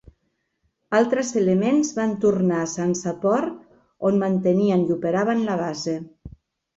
Altres elements van tornar a Sansapor, on mantenien i operaven la base.